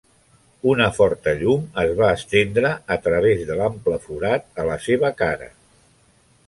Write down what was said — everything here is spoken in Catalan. Una forta llum es va estendre a través de l'ample forat a la seva cara.